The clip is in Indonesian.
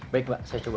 baik mbak saya coba